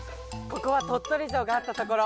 ここは鳥取城があったところ。